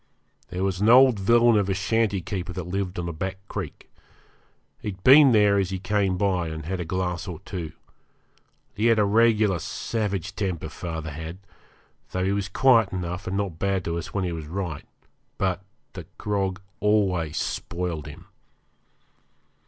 There was an old villain of a shanty keeper that lived on a back creek. He'd been there as he came by and had a glass or two. He had a regular savage temper, father had, though he was quiet enough and not bad to us when he was right. But the grog always spoiled him.